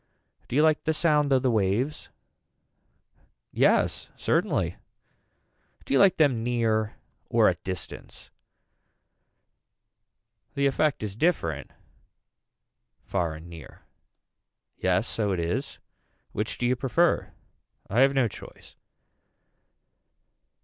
Do you like the sound of the waves. Yes certainly. Do you like them near or at distance. The effect is different far and near. Yes so it is. Which do you prefer. I have no choice.